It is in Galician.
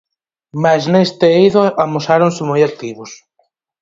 Mais neste eido amosáronse moi activos.